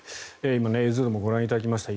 今、映像でもご覧いただきました。